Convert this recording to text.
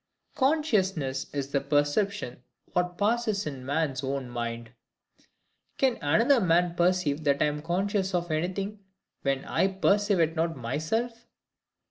Consciousness is the perception of what passes in a man's own mind. Can another man perceive that I am conscious of anything, when I perceive it not myself?